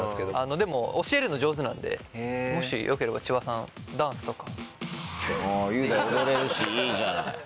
でも教えるの上手なんでもしよければ千葉さんダンスとか。雄大踊れるしいいじゃない。